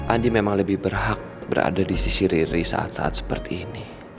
andi memang lebih berhak berada di sisi riri saat saat seperti ini